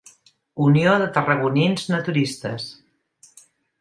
Unió de tarragonins naturistes.